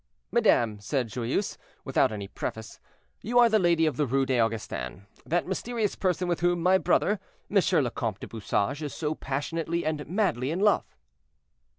"Madame," said Joyeuse, without any preface, "you are the lady of the Rue des Augustins; that mysterious person with whom my brother, Monsieur le Comte du Bouchage, is so passionately and madly in love."